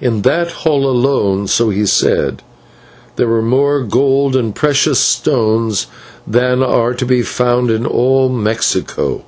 "In that hall alone, so he said, there were more gold and precious stones than are to be found in all Mexico.